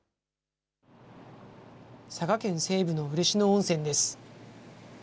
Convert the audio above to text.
佐賀県西部の嬉野温泉です。